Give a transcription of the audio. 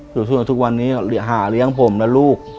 อยู่สู้กับทุกวันนี้หาเลี้ยงผมและลูก